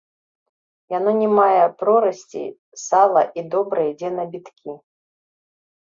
Яно не мае прорасці сала і добра ідзе на біткі.